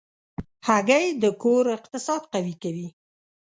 هګۍ د کور اقتصاد قوي کوي.